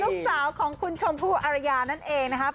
ลูกสาวของคุณชมพู่อารยานั่นเองนะครับ